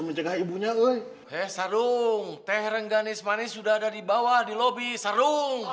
menjaga ibunya eh eh sardung teh rengganis manis sudah ada di bawah di lobby sardung